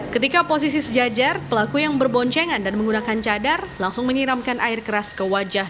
ketika posisi sejajar pelaku yang berboncengan dan menggunakan cadar langsung menyiramkan air keras ke wajah